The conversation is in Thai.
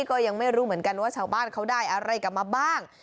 ก็ยังไม่รู้เหมือนกันว่าชาวบ้านเขาได้อะไรกลับมาบ้าง